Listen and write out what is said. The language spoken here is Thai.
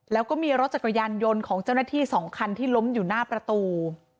แล้วก็มีรถจักรยานยนต์ของเจ้าหน้าที่๒คันที่ล้มอยู่หน้าประตู